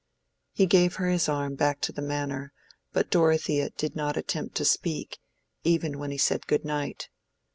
He gave her his arm back to the Manor, but Dorothea did not attempt to speak, even when he said good night.